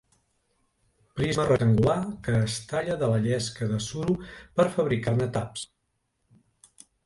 Prisma rectangular que es talla de la llesca de suro per fabricar-ne taps.